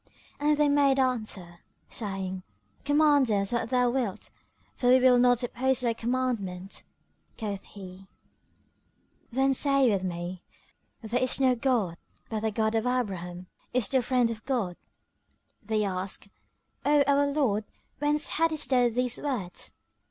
And they made answer, saying, "Command us what thou wilt, for we will not oppose thy commandment." Quoth he, "Then say with me:—There is no god but the God and Abraham is the Friend of God!" They asked, "O our lord, whence haddest thou these words?"